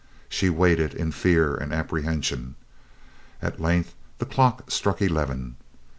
She waited in fear and apprehension. At length the clock struck eleven.